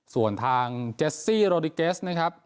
ส่วนทางเจสซี่โรดิเกสนะครับ